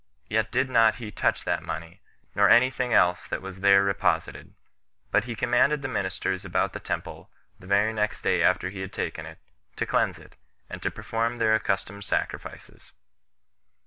Yet did not he touch that money, nor any thing else that was there reposited; but he commanded the ministers about the temple, the very next day after he had taken it, to cleanse it, and to perform their accustomed sacrifices.